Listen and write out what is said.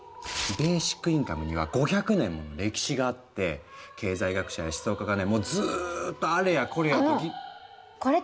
ベーシックインカムには５００年もの歴史があって経済学者や思想家がねもうずっとあれやこれやと議論。